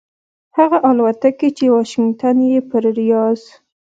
هغه الوتکې چې واشنګټن یې پر ریاض